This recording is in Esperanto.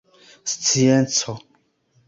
scienco